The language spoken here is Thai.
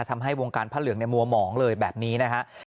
ทำให้วงการผ้าเหลืองมัวหมองเลยแบบนี้นะครับ